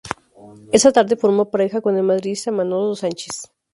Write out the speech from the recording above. Esa tarde formó pareja con el madridista Manolo Sanchis.